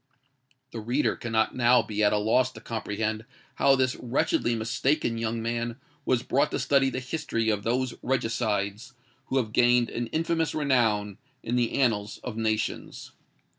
The reader cannot now be at a loss to comprehend how this wretchedly mistaken young man was brought to study the history of those regicides who have gained an infamous renown in the annals of nations.